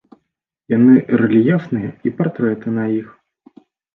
Яны рэльефныя і партрэты на іх.